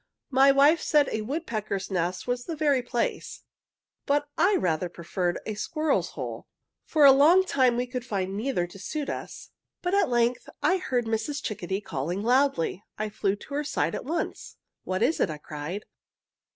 "My wife said a woodpecker's nest was the very place, but I rather preferred a squirrel's hole. "For a long time we could find neither to suit us. But at length I heard Mrs. Chickadee calling loudly. I flew to her side at once. "'What is it?' I cried.